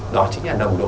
đó chính là nồng độ nội